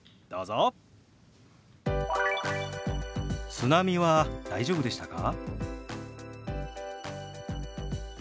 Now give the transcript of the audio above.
「津波は大丈夫でしたか？」。